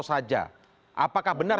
saja apakah benar